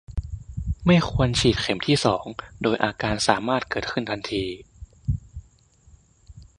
ไม่ควรฉีดเข็มที่ สอง โดยอาการสามารถเกิดขึ้นทันที